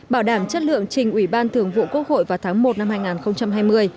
bảo đảm chất lượng trình ủy ban thường vụ quốc hội vào tháng một năm hai nghìn hai mươi